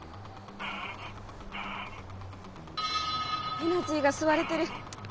エナジーがすわれてる！